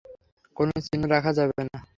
কোনো চিহ্ন রাখা যাবে না।